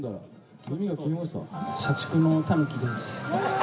社畜のタヌキです。